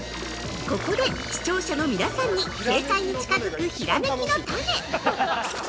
◆ここで視聴者の皆さんに正解に近くづくひらめきのタネ。